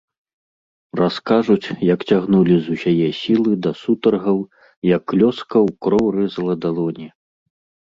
Раскажуць, як цягнулі з усяе сілы, да сутаргаў, як лёска ў кроў рэзала далоні.